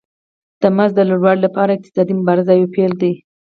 د مزد د لوړوالي لپاره اقتصادي مبارزه یو پیل دی